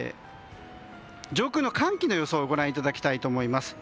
上空の寒気の予想をご覧いただきたいと思います。